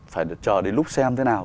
phải chờ đến lúc xem thế nào